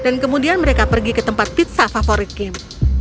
dan kemudian mereka pergi ke tempat pizza favorit kim